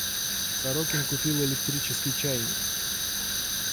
Сорокин купил электрический чайник.